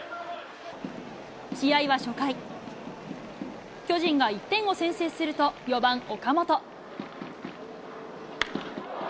試合は初回、巨人が１点を先制すると、４番岡本。